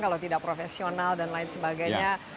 kalau tidak profesional dan lain sebagainya